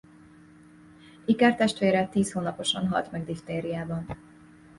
Ikertestvére tíz hónaposan halt meg diftériában.